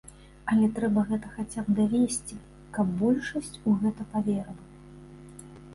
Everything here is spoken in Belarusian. Але трэба гэта хаця б давесці, каб большасць у гэта паверыла.